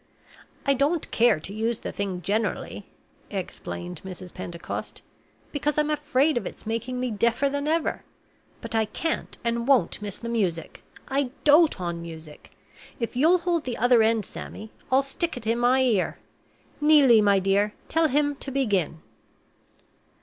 "I don't care to use the thing generally," explained Mrs. Pentecost, "because I'm afraid of its making me deafer than ever. But I can't and won't miss the music. I dote on music. If you'll hold the other end, Sammy, I'll stick it in my ear. Neelie, my dear, tell him to begin."